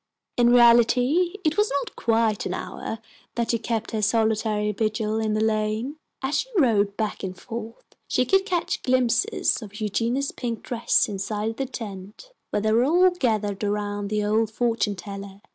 In reality it was not quite an hour that she kept her solitary vigil in the lane. As she rode back and forth she could catch glimpses of Eugenia's pink dress inside the tent, where they were all gathered around the old fortune teller.